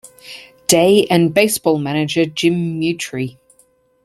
Day and baseball manager Jim Mutrie.